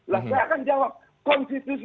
saya akan jawab konstitusi